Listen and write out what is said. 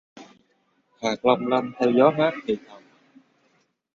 Hạt long lanh theo gió hát thì thầm